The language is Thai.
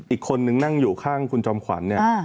อีกคนนึงนั่งอยู่ข้างคุณจอมขวัญเนี่ย